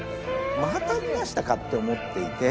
「また逃がしたか」って思っていて。